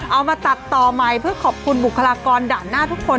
เอามาตัดต่อใหม่เพื่อขอบคุณบุคลากรด่านหน้าทุกคน